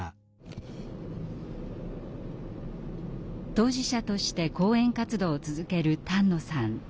当事者として講演活動を続ける丹野さん。